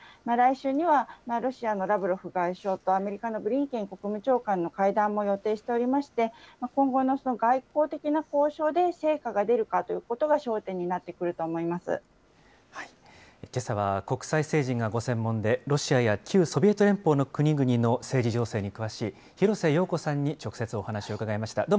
来週にはロシアのラブロフ外相とアメリカのブリンケン国務長官の会談も予定しておりまして、今後の外交的な交渉で成果が出るかということが、焦点になってくけさは国際政治がご専門で、ロシアや旧ソビエト連邦の国々の政治情勢に詳しい、廣瀬陽子さんに直接お話を伺いました。